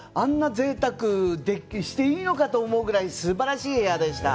ぜいたくしていいのかと思うぐらいすばらしい部屋でした